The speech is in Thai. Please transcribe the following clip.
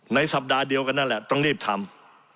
สัปดาห์เดียวกันนั่นแหละต้องรีบทำ